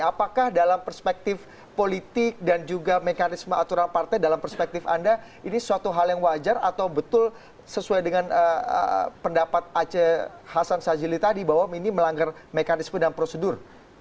apakah dalam perspektif politik dan juga mekanisme aturan partai dalam perspektif anda ini suatu hal yang wajar atau betul sesuai dengan pendapat aceh hasan sajili tadi bahwa ini melanggar mekanisme dan prosedur